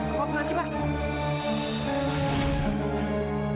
apa berarti pa